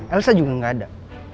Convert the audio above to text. elsa juga gak ada